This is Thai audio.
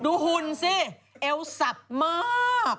หุ่นสิเอวสับมาก